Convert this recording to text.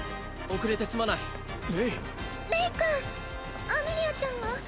遅れてすまないレイレイ君アメリアちゃんは？